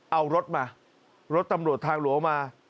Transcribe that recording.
เอารถมารถตำรวจทางหลวงมา